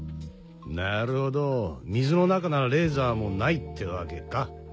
なるほど水の中ならレーザーもないってわけか。